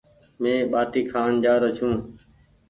مينٚ ٻآٽي کآن جآرو ڇوٚنٚ